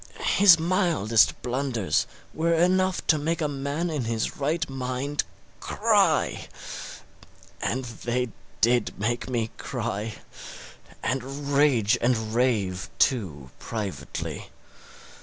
His mildest blunders were enough to make a man in his right mind cry; and they did make me cry and rage and rave too, privately.